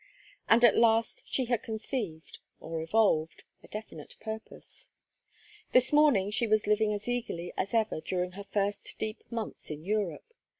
And at last she had conceived or evolved a definite purpose. This morning she was living as eagerly as ever during her first deep months in Europe.